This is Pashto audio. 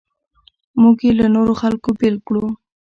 موږ یې له نورو خلکو بېل کړو.